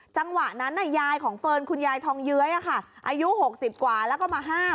จังหวะนั้นยายของเฟิร์นคุณยายทองเย้ยอายุ๖๐กว่าแล้วก็มาห้าม